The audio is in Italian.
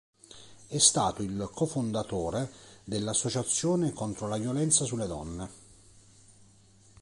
È stato il cofondatore dell'associazione contro la violenza sulle donne.